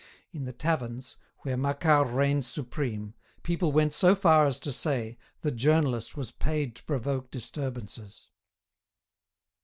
In the taverns, where Macquart reigned supreme, people went so far as to say the journalist was paid to provoke disturbances.